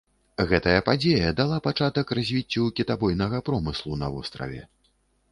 Гэтая падзея дала пачатак развіццю кітабойнага промыслу на востраве.